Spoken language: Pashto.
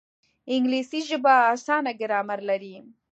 انګلیسي ژبه اسانه ګرامر لري